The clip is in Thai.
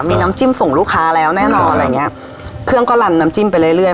มีน้ำจิ้มส่งลูกค้าแล้วแน่นอนอะไรอย่างเงี้ยเครื่องก็ลันน้ำจิ้มไปเรื่อย